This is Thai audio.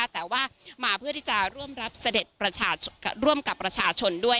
แต่ว่ามาเพื่อที่จะร่วมรับเสด็จร่วมกับประชาชนด้วย